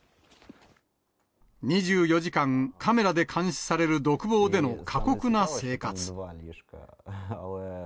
２４時間、カメラで監視される独房での過酷な生活。